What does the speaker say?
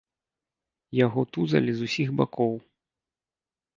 Яго тузалі з усіх бакоў.